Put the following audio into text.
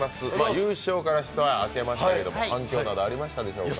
優勝から一夜明けましたけれども反響などありましたでしょうか。